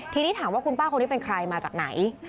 ทีนี้ถามว่าคุณป้าคนนี้เป็นใครมาจากไหน